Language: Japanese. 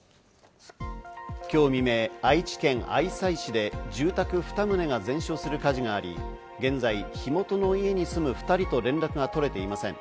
今日未明、愛知県愛西市で住宅２棟が全焼する火事があり、現在、火元の家に住む２人と連絡が取れていません。